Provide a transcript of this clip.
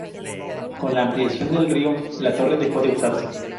Con la ampliación del río la torre dejó de usarse.